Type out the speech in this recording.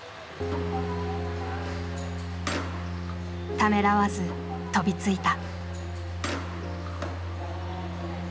ためらわず飛びついた。